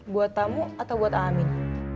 buat tamu atau buat amin